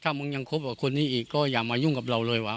ถ้ามึงยังคบกับคนนี้อีกก็อย่ามายุ่งกับเราเลยวะ